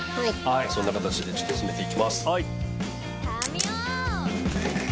そんな形で進めていきます。